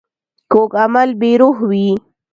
کوږ عمل بې روح وي